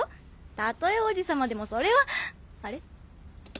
たとえ王子様でもそれはあれ？